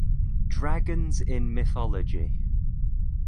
Dragons in mythology.